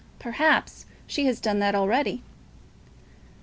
"Perhaps she has done that already."